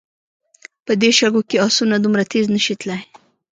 په دې شګو کې آسونه دومره تېز نه شي تلای.